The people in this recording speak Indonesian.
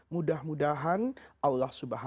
jadi kita harus berhati hati